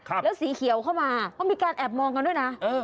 แล้วสีเขียวเข้ามาเขามีการแอบมองกันด้วยนะเออ